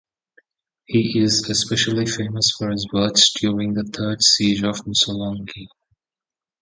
He is especially famous for his words during the Third Siege of Missolonghi.